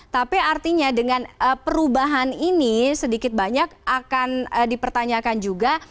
tapi artinya dengan perubahan ini sedikit banyak akan dipertanyakan juga